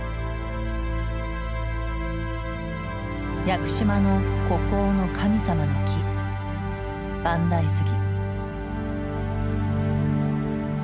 屋久島の孤高の神様の木万代杉。